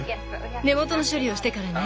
根元の処理をしてからね。